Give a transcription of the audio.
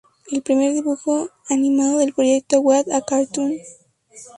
El primer dibujo animado del proyecto "What a Cartoon!